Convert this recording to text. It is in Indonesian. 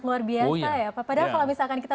luar biasa ya padahal kalau misalkan kita